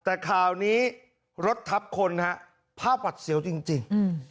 แต่คราวนี้รถทับคนภาพหวัดเสียวจริงจริง